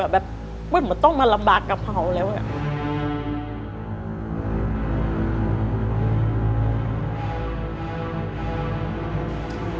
แบบเปิดหมดต้องมาลำบากกระเภาแล้วอะ